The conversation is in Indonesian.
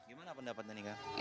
gimana pendapatan ini